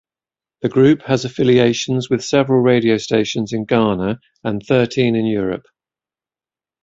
The group has affiliations with several radio stations in Ghana and thirteen in Europe.